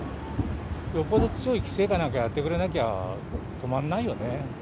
よっぽど強い規制か何かやってくれなきゃ止まらないよね。